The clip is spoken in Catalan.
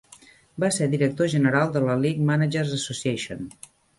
Va ser director general de la League Managers Association.